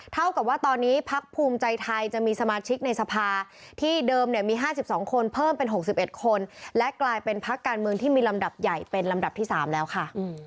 เท่ากับว่าตอนนี้พักภูมิใจไทยจะมีสมาชิกในสภาที่เดิมเนี่ยมี๕๒คนเพิ่มเป็น๖๑คนและกลายเป็นพักการเมืองที่มีลำดับใหญ่เป็นลำดับที่๓แล้วค่ะ